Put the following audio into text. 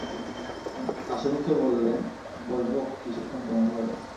হাসিমুখে বললেন, বসব কিছুক্ষণ তোমার ঘরে?